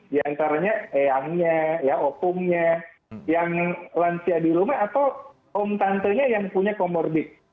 ya antaranya eangnya ya opungnya yang lansia di rumah atau om tantenya yang punya komorbid